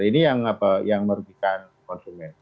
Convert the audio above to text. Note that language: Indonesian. ini yang merugikan konsumen